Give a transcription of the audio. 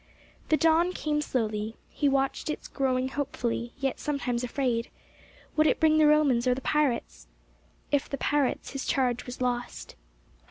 The dawn came slowly. He watched its growing hopefully, yet sometimes afraid. Would it bring the Romans or the pirates? If the pirates, his charge was lost.